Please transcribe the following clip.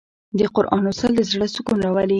د قرآن لوستل د زړه سکون راولي.